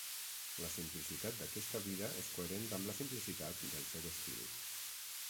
La simplicitat d'aquesta vida és coherent amb la simplicitat del seu estil.